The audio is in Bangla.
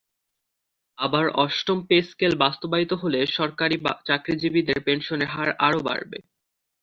আবার অষ্টম পে–স্কেল বাস্তবায়িত হলে সরকারি চাকরিজীবীদের পেনশনের হার আরও বাড়বে।